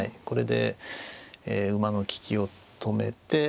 これで馬の利きを止めて。